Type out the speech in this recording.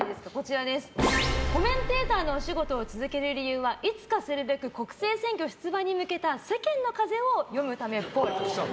コメンテーターのお仕事を続ける理由はいつかするべく国政選挙出馬に向けた世間の風を読むためっぽい。